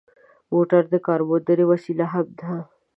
موټر د کارموندنې وسیله هم ده.